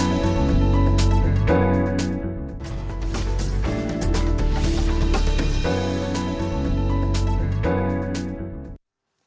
terima kasih juga